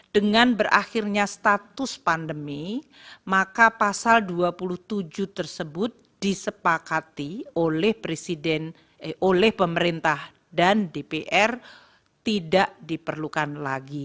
dengan berakhirnya status pandemi maka pasal dua puluh tujuh tersebut disepakati oleh pemerintah dan dpr tidak diperlukan lagi